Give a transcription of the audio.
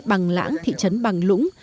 bằng lãng thị trấn bằng lũng